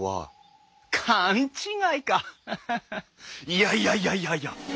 いやいやいやいやいや！